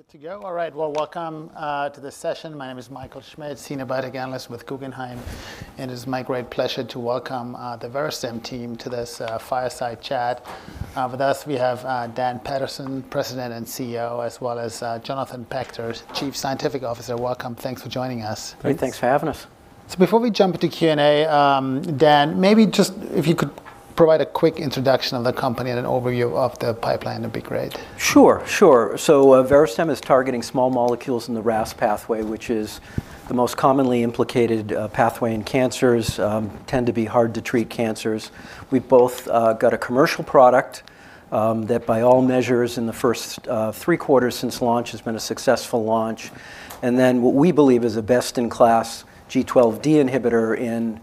Good to go? All right, well, welcome to this session. My name is Michael Schmidt, Senior Biotech Analyst with Guggenheim, and it's my great pleasure to welcome the Verastem team to this fireside chat. With us, we have Dan Paterson, President and CEO, as well as Jonathan Pachter, Chief Scientific Officer. Welcome. Thanks for joining us. Great. Thanks for having us. Before we jump into Q&A, Dan, maybe just if you could provide a quick introduction of the company and an overview of the pipeline, that'd be great. Sure, sure. So Verastem is targeting small molecules in the RAS pathway, which is the most commonly implicated pathway in cancers tend to be hard-to-treat cancers. We've both got a commercial product that, by all measures, in the first three quarters since launch, has been a successful launch, and then what we believe is a best-in-class G12D inhibitor in,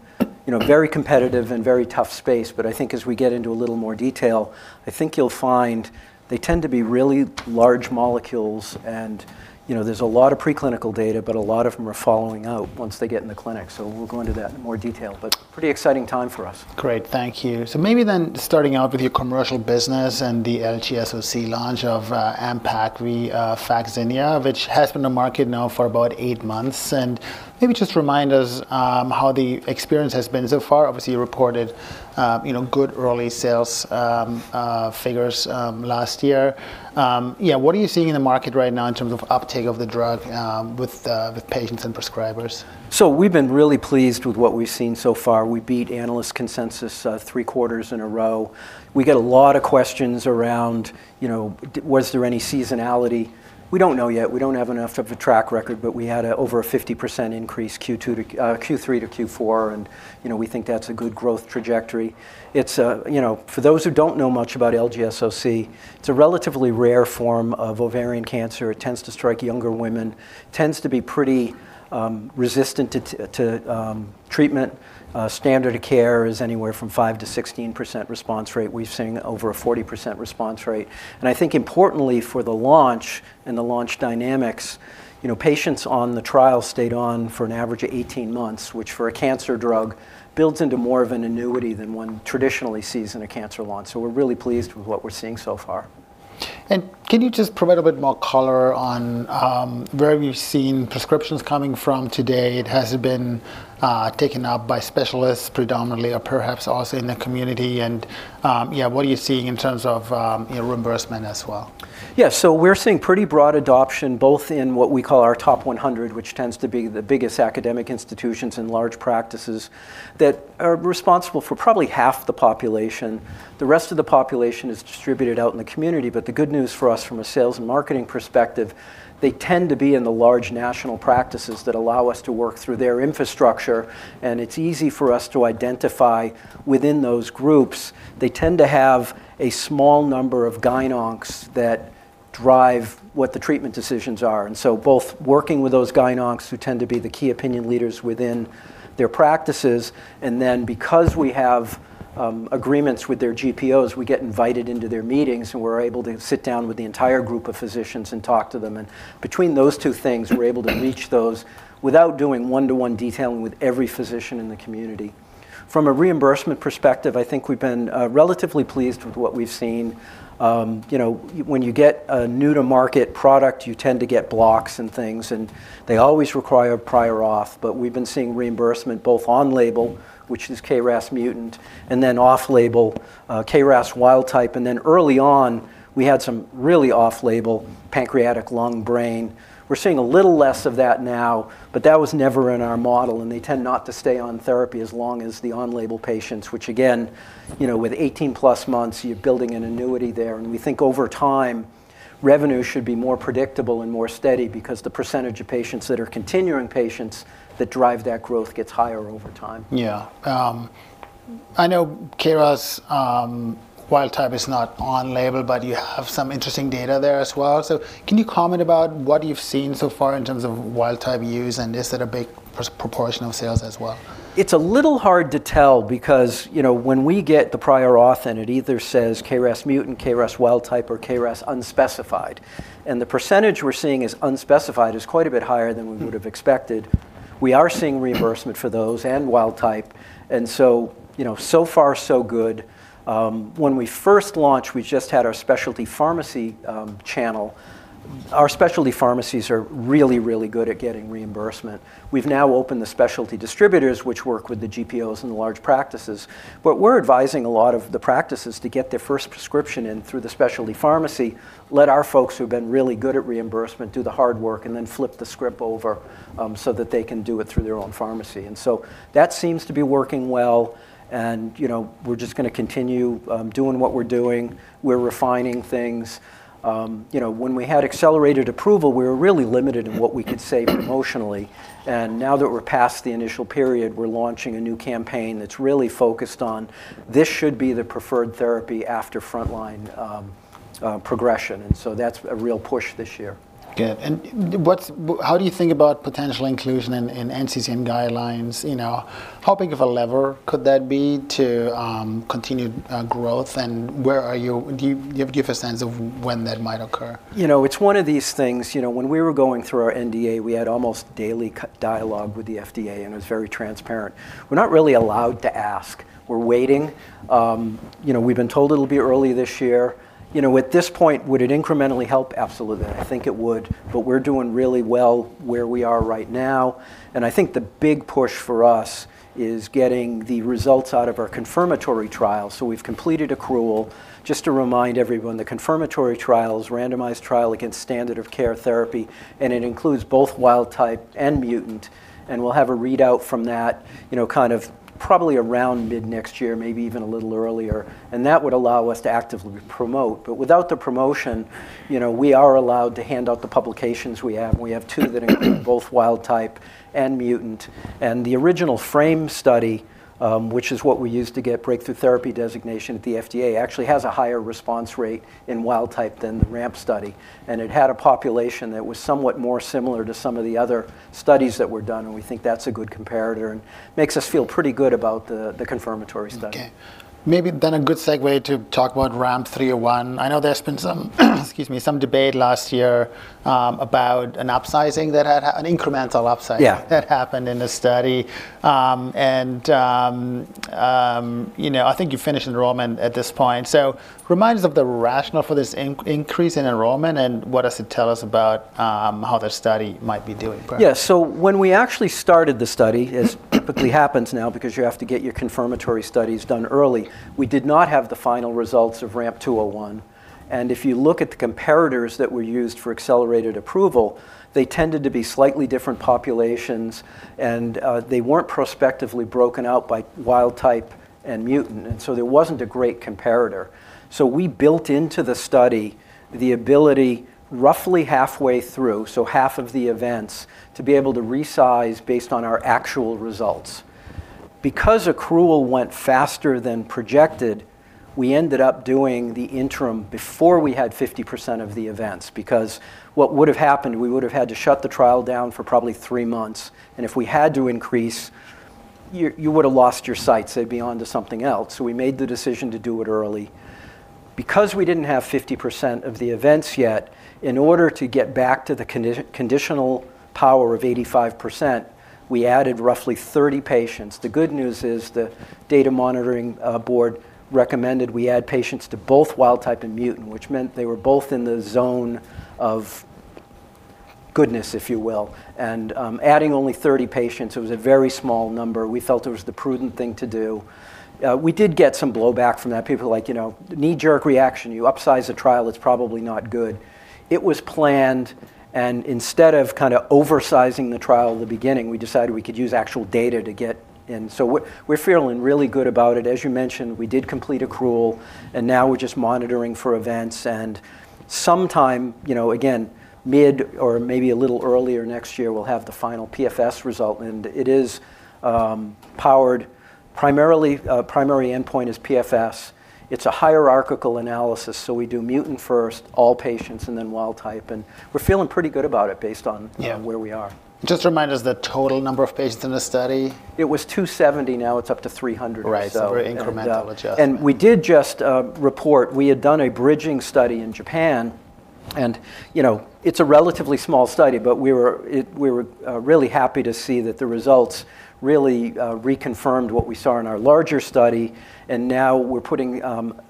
you know, a very competitive and very tough space. But I think as we get into a little more detail, I think you'll find they tend to be really large molecules, and, you know, there's a lot of preclinical data, but a lot of them are falling out once they get in the clinic, so we'll go into that in more detail. But pretty exciting time for us. Great. Thank you. So maybe then starting out with your commercial business and the LGSOC launch of avutometinib and defactinib, which has been on the market now for about eight months, and maybe just remind us how the experience has been so far. Obviously, you reported you know, good early sales figures last year. Yeah, what are you seeing in the market right now in terms of uptake of the drug with the patients and prescribers? So we've been really pleased with what we've seen so far. We beat analyst consensus three quarters in a row. We get a lot of questions around, you know, was there any seasonality? We don't know yet. We don't have enough of a track record, but we had over a 50% increase Q2 to Q3 to Q4, and, you know, we think that's a good growth trajectory. It's, you know, for those who don't know much about LGSOC, it's a relatively rare form of ovarian cancer. It tends to strike younger women, tends to be pretty resistant to treatment. Standard of care is anywhere from 5%-16% response rate. We've seen over a 40% response rate. I think importantly for the launch and the launch dynamics, you know, patients on the trial stayed on for an average of 18 months, which, for a cancer drug, builds into more of an annuity than one traditionally sees in a cancer launch, so we're really pleased with what we're seeing so far. Can you just provide a bit more color on where you've seen prescriptions coming from today? It has been taken up by specialists predominantly or perhaps also in the community, and yeah, what are you seeing in terms of you know, reimbursement as well? Yeah. So we're seeing pretty broad adoption, both in what we call our top 100, which tends to be the biggest academic institutions and large practices that are responsible for probably half the population. The rest of the population is distributed out in the community, but the good news for us from a sales and marketing perspective, they tend to be in the large national practices that allow us to work through their infrastructure, and it's easy for us to identify within those groups. They tend to have a small number of gyn docs that drive what the treatment decisions are, and so both working with those gyn docs, who tend to be the key opinion leaders within their practices, and then, because we have agreements with their GPOs, we get invited into their meetings, and we're able to sit down with the entire group of physicians and talk to them, and between those two things, we're able to reach those without doing one-to-one detailing with every physician in the community. From a reimbursement perspective, I think we've been relatively pleased with what we've seen. You know, when you get a new-to-market product, you tend to get blocks and things, and they always require prior auth, but we've been seeing reimbursement both on-label, which is KRAS mutant, and then off-label, KRAS wild type, and then early on, we had some really off-label pancreatic lung brain. We're seeing a little less of that now, but that was never in our model, and they tend not to stay on therapy as long as the on-label patients, which again, you know, with 18+ months, you're building an annuity there, and we think over time, revenue should be more predictable and more steady because the percentage of patients that are continuing patients that drive that growth gets higher over time. Yeah, I know KRAS wild type is not on label, but you have some interesting data there as well. So can you comment about what you've seen so far in terms of wild type use, and is it a big proportion of sales as well? It's a little hard to tell because, you know, when we get the prior auth in, it either says KRAS mutant, KRAS wild type, or KRAS unspecified. And the percentage we're seeing as unspecified is quite a bit higher than we would have expected. We are seeing reimbursement for those and wild type, and so, you know, so far so good. When we first launched, we just had our specialty pharmacy channel. Our specialty pharmacies are really, really good at getting reimbursement. We've now opened the specialty distributors, which work with the GPOs and the large practices. But we're advising a lot of the practices to get their first prescription in through the specialty pharmacy, let our folks who've been really good at reimbursement do the hard work, and then flip the script over, so that they can do it through their own pharmacy. And so that seems to be working well, and, you know, we're just gonna continue, doing what we're doing. We're refining things. You know, when we had accelerated approval, we were really limited in what we could say promotionally. And now that we're past the initial period, we're launching a new campaign that's really focused on, this should be the preferred therapy after frontline, progression. And so that's a real push this year. Yeah. And how do you think about potential inclusion in NCCN guidelines? You know, how big of a lever could that be to continued growth, and where are you? Do you give a sense of when that might occur? You know, it's one of these things, you know, when we were going through our NDA, we had almost daily close dialogue with the FDA, and it was very transparent. We're not really allowed to ask. We're waiting. You know, we've been told it'll be early this year. You know, at this point, would it incrementally help? Absolutely, I think it would. But we're doing really well where we are right now, and I think the big push for us is getting the results out of our confirmatory trial. So we've completed accrual. Just to remind everyone, the confirmatory trial is a randomized trial against standard of care therapy, and it includes both wild type and mutant, and we'll have a readout from that, you know, kind of probably around mid-next year, maybe even a little earlier, and that would allow us to actively promote. But without the promotion, you know, we are allowed to hand out the publications we have, and we have two that include both wild type and mutant. And the original FRAME study, which is what we used to get Breakthrough Therapy Designation at the FDA, actually has a higher response rate in wild type than the RAMP study, and it had a population that was somewhat more similar to some of the other studies that were done, and we think that's a good comparator and makes us feel pretty good about the confirmatory study. Okay. Maybe then a good segue to talk about RAMP 301. I know there's been some, excuse me, some debate last year, about an upsizing that had happened, an incremental upsizing- Yeah... that happened in the study. You know, I think you finished enrollment at this point. So remind us of the rationale for this increase in enrollment, and what does it tell us about how the study might be doing? Yeah, so when we actually started the study, as typically happens now because you have to get your confirmatory studies done early, we did not have the final results of RAMP 201. And if you look at the comparators that were used for accelerated approval, they tended to be slightly different populations, and they weren't prospectively broken out by wild type and mutant, and so there wasn't a great comparator. So we built into the study the ability, roughly halfway through, so half of the events, to be able to resize based on our actual results. Because accrual went faster than projected, we ended up doing the interim before we had 50% of the events, because what would have happened, we would have had to shut the trial down for probably three months, and if we had to increase, you would have lost your sites. They'd be on to something else. So we made the decision to do it early. Because we didn't have 50% of the events yet, in order to get back to the conditional power of 85%, we added roughly 30 patients. The good news is, the data monitoring board recommended we add patients to both wild type and mutant, which meant they were both in the zone of goodness, if you will. And, adding only 30 patients, it was a very small number. We felt it was the prudent thing to do. We did get some blowback from that. People were like, "You know, knee-jerk reaction, you upsize a trial, it's probably not good." It was planned, and instead of kind of oversizing the trial at the beginning, we decided we could use actual data to get in. So we're feeling really good about it. As you mentioned, we did complete accrual, and now we're just monitoring for events. And sometime, you know, again, mid or maybe a little earlier next year, we'll have the final PFS result, and it is powered. Primarily, primary endpoint is PFS. It's a hierarchical analysis, so we do mutant first, all patients, and then wild type, and we're feeling pretty good about it based on- Yeah... where we are. Just remind us the total number of patients in the study. It was 270. Now it's up to 300. Right, so an incremental adjustment. We did just report we had done a bridging study in Japan, and, you know, it's a relatively small study, but we were really happy to see that the results really reconfirmed what we saw in our larger study, and now we're putting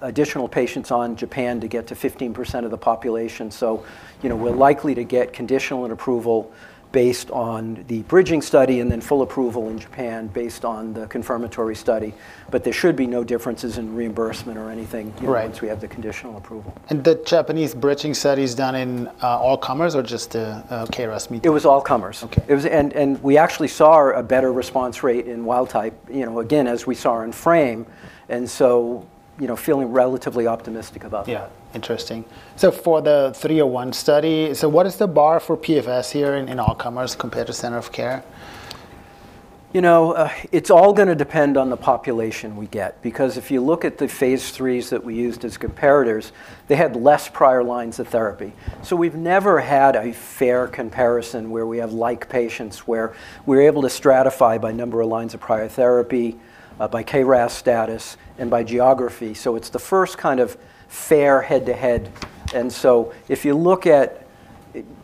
additional patients on Japan to get to 15% of the population. So, you know, we're likely to get conditional and approval based on the bridging study and then full approval in Japan based on the confirmatory study, but there should be no differences in reimbursement or anything- Right... once we have the conditional approval. The Japanese bridging study is done in all comers or just KRAS mutant? It was all comers. Okay. And we actually saw a better response rate in wild-type, you know, again, as we saw in FRAME, and so, you know, feeling relatively optimistic about that. Yeah, interesting. So for the 301 study, so what is the bar for PFS here in all comers compared to standard of care? You know, it's all gonna depend on the population we get, because if you look at the phase 3s that we used as comparators, they had less prior lines of therapy. So we've never had a fair comparison where we have like patients, where we're able to stratify by number of lines of prior therapy, by KRAS status, and by geography. So it's the first kind of fair head-to-head, and so if you look at,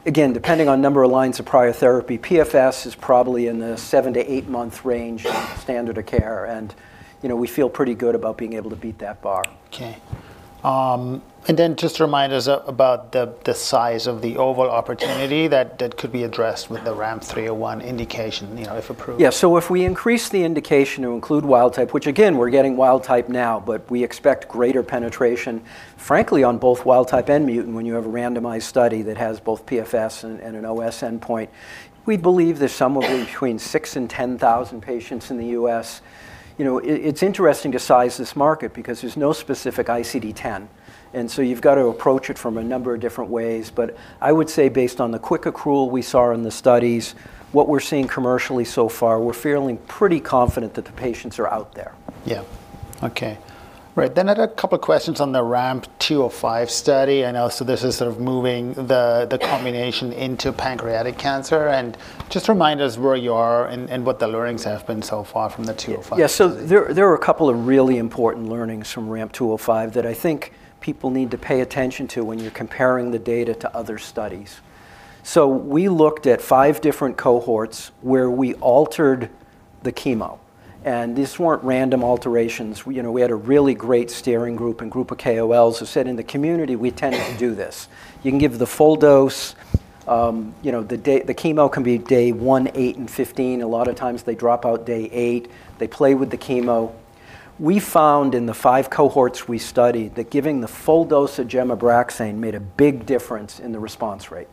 again, depending on number of lines of prior therapy, PFS is probably in the 7-8-month range... standard of care, and, you know, we feel pretty good about being able to beat that bar. Okay. And then just remind us about the size of the overall opportunity that could be addressed with the RAMP 301 indication, you know, if approved? Yeah, so if we increase the indication to include wild type, which again, we're getting wild type now, but we expect greater penetration, frankly, on both wild type and mutant, when you have a randomized study that has both PFS and, and an OS endpoint. We believe there's somewhere between 6,000 and 10,000 patients in the U.S. You know, it, it's interesting to size this market because there's no specific ICD-10, and so you've got to approach it from a number of different ways. But I would say based on the quick accrual we saw in the studies, what we're seeing commercially so far, we're feeling pretty confident that the patients are out there. Yeah. Okay. Right, then I had a couple of questions on the RAMP 205 study. I know, so this is sort of moving the combination into pancreatic cancer, and just remind us where you are and what the learnings have been so far from the 205 study. Yeah, so there are a couple of really important learnings from RAMP 205 that I think people need to pay attention to when you're comparing the data to other studies. So we looked at 5 different cohorts where we altered the chemo, and these weren't random alterations. We, you know, we had a really great steering group and group of KOLs who said, "In the community, we tend to do this." You can give the full dose, you know, the chemo can be day 1, 8, and 15. A lot of times, they drop out day 8. They play with the chemo. We found in the 5 cohorts we studied, that giving the full dose of gemcitabine/nab-paclitaxel made a big difference in the response rate.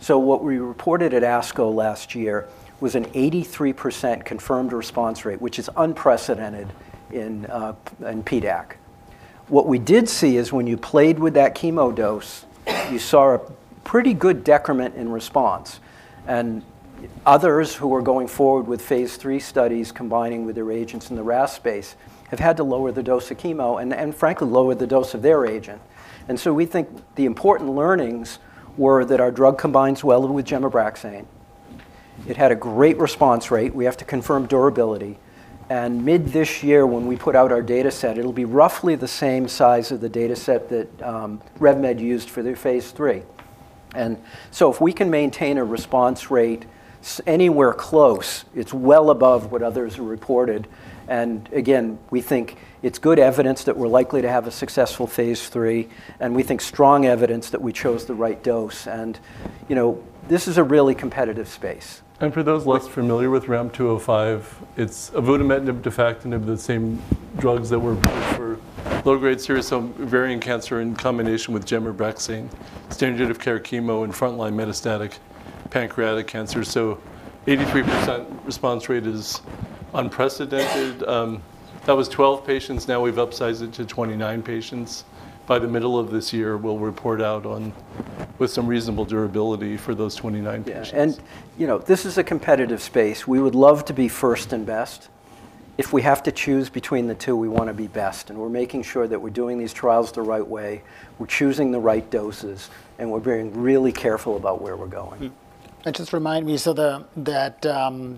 So what we reported at ASCO last year was an 83% confirmed response rate, which is unprecedented in PDAC. What we did see is when you played with that chemo dose, you saw a pretty good decrement in response. And others who are going forward with phase 3 studies, combining with their agents in the RAS space, have had to lower the dose of chemo and frankly lower the dose of their agent. And so we think the important learnings were that our drug combines well with Gem/Abraxane. It had a great response rate. We have to confirm durability. And mid this year, when we put out our data set, it'll be roughly the same size of the data set that RevMed used for their phase 3. And so if we can maintain a response rate anywhere close, it's well above what others have reported. And again, we think it's good evidence that we're likely to have a successful Phase III, and we think strong evidence that we chose the right dose, and, you know, this is a really competitive space. For those less familiar with RAMP 205, it's avutometinib, defactinib, the same drugs that were approved for low-grade serous ovarian cancer in combination with gemcitabine/nab-paclitaxel, standard of care chemo and frontline metastatic pancreatic cancer. So 83% response rate is unprecedented. That was 12 patients. Now, we've upsized it to 29 patients. By the middle of this year, we'll report out on, with some reasonable durability for those 29 patients. Yeah, and you know, this is a competitive space. We would love to be first and best. If we have to choose between the two, we want to be best, and we're making sure that we're doing these trials the right way, we're choosing the right doses, and we're being really careful about where we're going. Mm-hmm. And just remind me, so the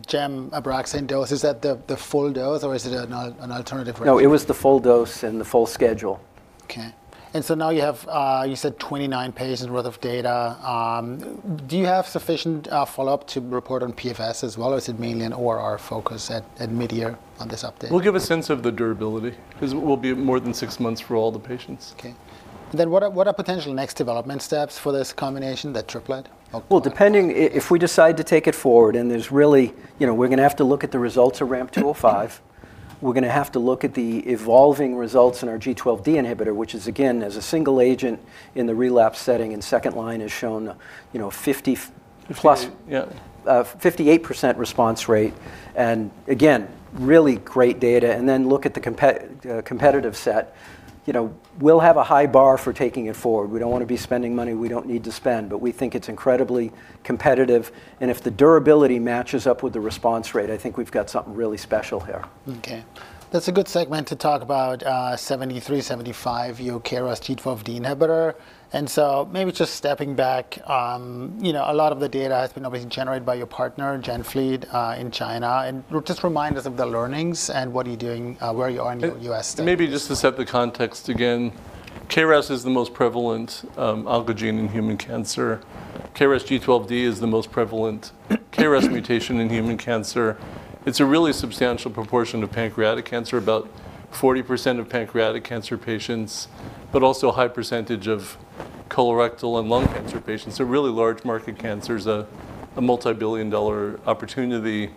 Gem/Abraxane dose, is that the full dose, or is it an alternative regimen? No, it was the full dose and the full schedule. Okay. And so now you have, you said 29 patients worth of data. Do you have sufficient follow-up to report on PFS as well, or is it mainly an OR focus at mid-year on this update? We'll give a sense of the durability because we'll be more than six months for all the patients. Okay. Then what are potential next development steps for this combination, the triplet of- Well, depending if we decide to take it forward, and there's really... You know, we're gonna have to look at the results of RAMP 205. We're gonna have to look at the evolving results in our G12D inhibitor, which is, again, as a single agent in the relapse setting, and second line has shown, you know, fifty-f- Plus, yeah... 58% response rate, and again, really great data, and then look at the competitive set. You know, we'll have a high bar for taking it forward. We don't want to be spending money we don't need to spend, but we think it's incredibly competitive, and if the durability matches up with the response rate, I think we've got something really special here. Okay. That's a good segment to talk about, 7375, your KRAS G12D inhibitor. And so maybe just stepping back, you know, a lot of the data has been obviously generated by your partner, GenFleet, in China. And just remind us of the learnings and what are you doing, where you are in the U.S. studies. Maybe just to set the context again, KRAS is the most prevalent oncogene in human cancer. KRAS G12D is the most prevalent KRAS mutation in human cancer. It's a really substantial proportion of pancreatic cancer, about 40% of pancreatic cancer patients, but also a high percentage of colorectal and lung cancer patients. So really large market cancers, a multibillion-dollar opportunity.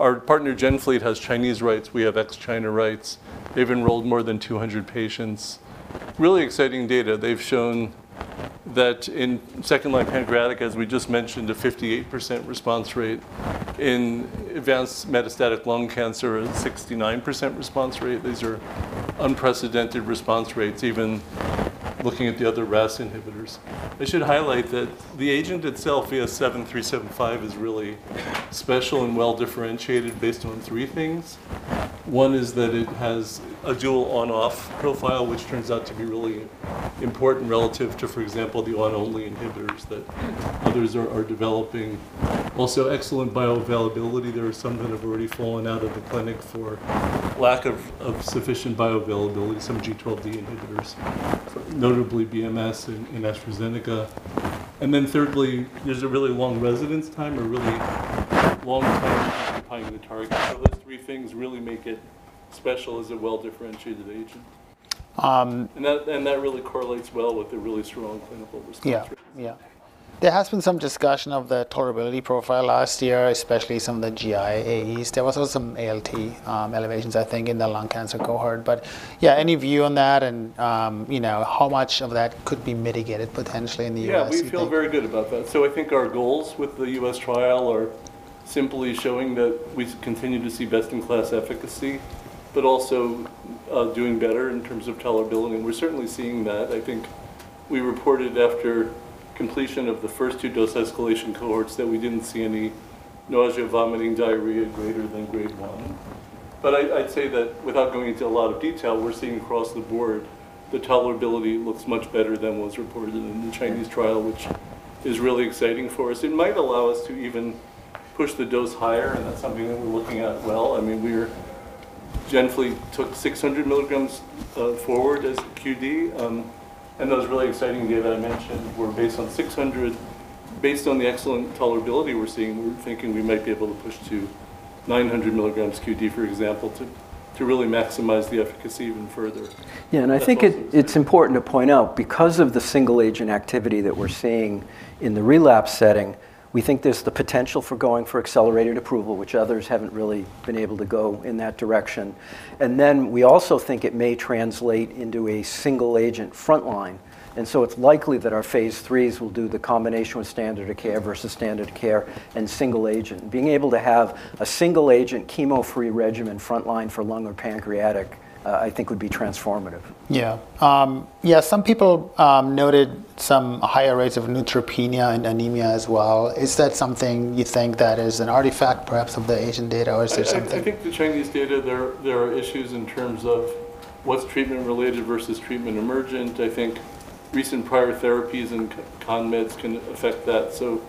Our partner, GenFleet, has Chinese rights. We have ex-China rights. They've enrolled more than 200 patients. Really exciting data. They've shown that in second-line pancreatic, as we just mentioned, a 58% response rate. In advanced metastatic lung cancer, a 69% response rate. These are unprecedented response rates, even looking at the other RAS inhibitors. I should highlight that the agent itself, VS-7375, is really special and well-differentiated based on three things. One is that it has a dual on/off profile, which turns out to be really important relative to, for example, the on-only inhibitors that others are, are developing. Also, excellent bioavailability. There are some that have already fallen out of the clinic for lack of, of sufficient bioavailability, some G12D inhibitors, notably BMS and, and AstraZeneca. And then thirdly, there's a really long residence time, a really long time occupying the target. So those three things really make it special as a well-differentiated agent. That really correlates well with the really strong clinical response rate. Yeah. Yeah. There has been some discussion of the tolerability profile last year, especially some of the GI AEs. There was also some ALT elevations, I think, in the lung cancer cohort. But yeah, any view on that, and, you know, how much of that could be mitigated potentially in the U.S.? Yeah, we feel very good about that. So I think our goals with the US trial are simply showing that we continue to see best-in-class efficacy, but also, doing better in terms of tolerability. We're certainly seeing that. I think we reported after completion of the first two dose escalation cohorts that we didn't see any nausea, vomiting, diarrhea greater than grade one. But I, I'd say that without going into a lot of detail, we're seeing across the board the tolerability looks much better than what's reported in the Chinese trial, which is really exciting for us. It might allow us to even push the dose higher, and that's something that we're looking at well. I mean, we're—GenFleet took 600 milligrams forward as a QD, and those really exciting data I mentioned were based on 600. Based on the excellent tolerability we're seeing, we're thinking we might be able to push to 900 milligrams QD, for example, to really maximize the efficacy even further. Yeah, and I think it, it's important to point out, because of the single-agent activity that we're seeing in the relapse setting, we think there's the potential for going for accelerated approval, which others haven't really been able to go in that direction. And then we also think it may translate into a single-agent frontline, and so it's likely that our phase 3's will do the combination with standard of care versus standard care and single agent. Being able to have a single-agent chemo-free regimen frontline for lung or pancreatic, I think, would be transformative. Yeah. Yeah, some people noted some higher rates of neutropenia and anemia as well. Is that something you think that is an artifact, perhaps, of the Asian data, or is there something- I think the Chinese data, there are issues in terms of what's treatment-related versus treatment emergent. I think recent prior therapies and con meds can affect that. So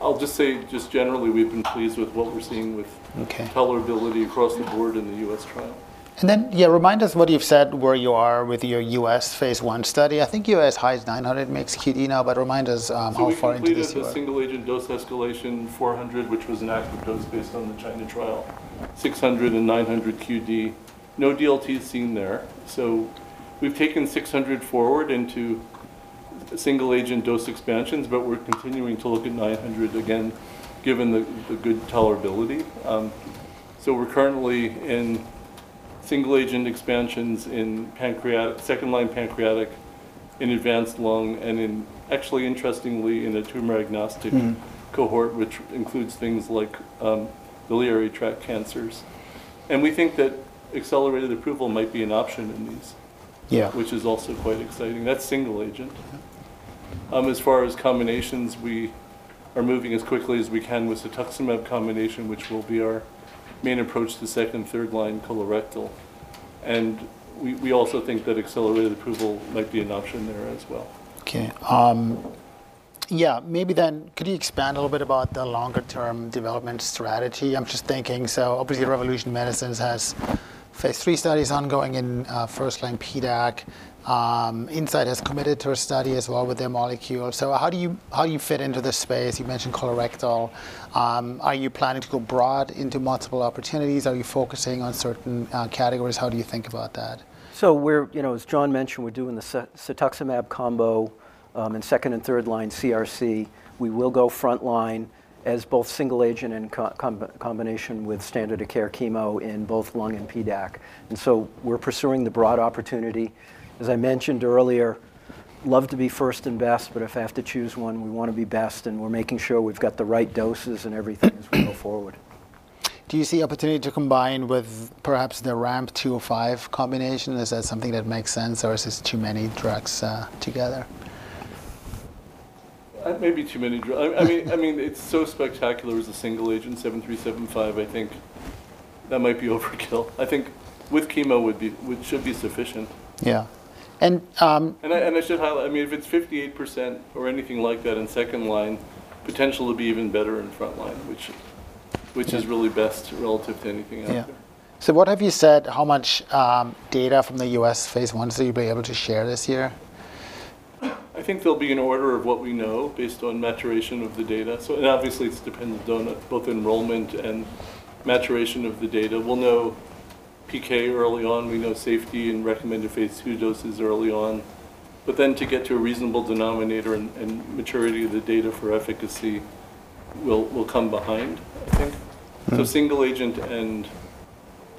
I'll just say, just generally, we've been pleased with what we're seeing with- Okay... tolerability across the board in the U.S. trial. Then, yeah, remind us what you've said, where you are with your U.S. phase I study. I think you're as high as 900 mg QD now, but remind us how far into this you are. So we completed a single-agent dose escalation, 400, which was an active dose based on the China trial, 600 and 900 QD. No DLT is seen there. So we've taken 600 forward into single-agent dose expansions, but we're continuing to look at 900 again, given the good tolerability. So we're currently in single-agent expansions in second-line pancreatic, in advanced lung, and in actually, interestingly, in a tumor-agnostic- Mm-hmm... cohort, which includes things like, biliary tract cancers. We think that accelerated approval might be an option in these- Yeah... which is also quite exciting. That's single agent. As far as combinations, we are moving as quickly as we can with cetuximab combination, which will be our main approach to second- and third-line colorectal. And we also think that accelerated approval might be an option there as well. Okay. Yeah, maybe then could you expand a little bit about the longer-term development strategy? I'm just thinking, so obviously Revolution Medicines has phase 3 studies ongoing in first-line PDAC. Incyte has committed to a study as well with their molecule. So how do you fit into this space? You mentioned colorectal. Are you planning to go broad into multiple opportunities? Are you focusing on certain categories? How do you think about that? So we're, you know, as John mentioned, we're doing the cetuximab combo in second- and third-line CRC. We will go front line as both single agent and combination with standard of care chemo in both lung and PDAC. And so we're pursuing the broad opportunity. As I mentioned earlier, love to be first and best, but if I have to choose one, we wanna be best, and we're making sure we've got the right doses and everything as we go forward. Do you see opportunity to combine with perhaps the RAMP 205 combination? Is that something that makes sense, or is this too many drugs, together? I mean, it's so spectacular as a single agent, VS-7375. I think that might be overkill. I think with chemo, which should be sufficient. Yeah. And, I should highlight, I mean, if it's 58% or anything like that in second line, potential to be even better in front line, which is really best relative to anything out there. Yeah. So what have you said, how much data from the U.S. phase I study you'll be able to share this year? I think they'll be in order of what we know, based on maturation of the data. So... And obviously, it's dependent on both enrollment and maturation of the data. We'll know PK early on, we know safety and recommended Phase II doses early on. But then to get to a reasonable denominator and maturity of the data for efficacy will come behind, I think. Mm-hmm. So single agent and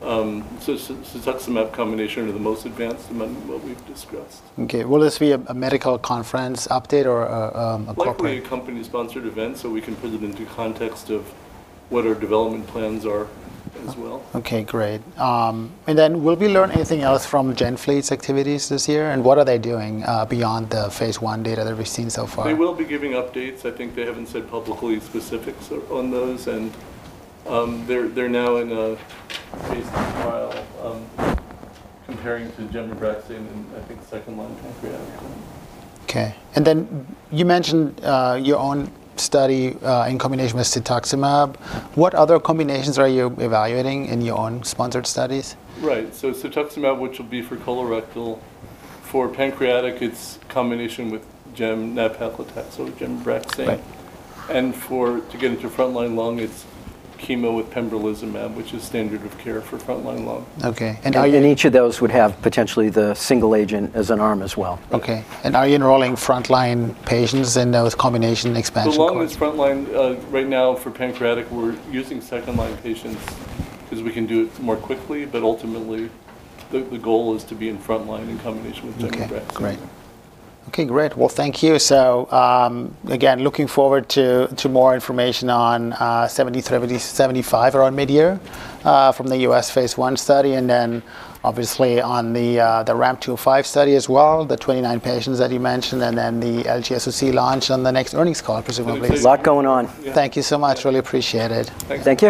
cetuximab combination are the most advanced among what we've discussed. Okay. Will this be a medical conference update or a corporate- Likely a company-sponsored event, so we can put them into context of what our development plans are as well. Okay, great. And then will we learn anything else from GenFleet's activities this year, and what are they doing beyond the phase I data that we've seen so far? They will be giving updates. I think they haven't said publicly specifics on those, and they're now in a Phase II trial, comparing to gemcitabine in, I think, second-line pancreatic. Okay. And then you mentioned, your own study, in combination with cetuximab. What other combinations are you evaluating in your own sponsored studies? Right. So cetuximab, which will be for colorectal. For pancreatic, it's combination with nab-paclitaxel, gemcitabine. Right. To get into front-line lung, it's chemo with pembrolizumab, which is standard of care for front-line lung. Okay, and are- Each of those would have potentially the single agent as an arm as well. Okay. Are you enrolling front-line patients in those combination expansion cohorts? Well, on the front line, right now for pancreatic, we're using second-line patients because we can do it more quickly. But ultimately, the goal is to be in front line in combination with gemcitabine. Okay, great. Okay, great. Well, thank you. So, again, looking forward to more information on 7375 around midyear, from the US phase I study, and then obviously on the RAMP 205 study as well, the 29 patients that you mentioned, and then the LGSOC launch on the next earnings call, presumably. A lot going on. Thank you so much. Really appreciate it. Thank you. Thank you.